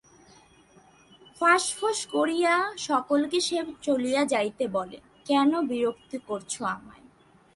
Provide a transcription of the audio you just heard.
ফাঁঁসফোঁস করিয়া সকলকে সে চলিয়া যাইতে বলে, কেন বিরক্ত করছ আমায়?